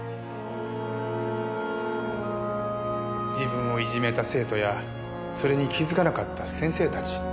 自分をいじめた生徒やそれに気づかなかった先生たち。